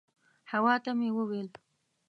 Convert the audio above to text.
حوا ته مې وویل.